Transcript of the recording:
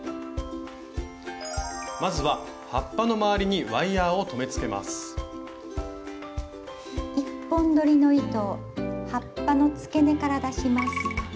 まずは葉っぱの周りに１本どりの糸を葉っぱのつけ根から出します。